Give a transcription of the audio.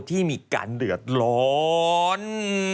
ที่มีการเดือดร้อน